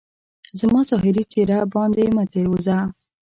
زما ظاهري څهره باندي مه تیروځه